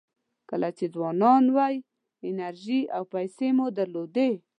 کله چې ځوانان وئ انرژي او پیسې مو درلودې.